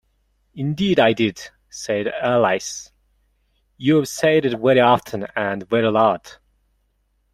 ‘Indeed I did,’ said Alice: ‘you’ve said it very often—and very loud.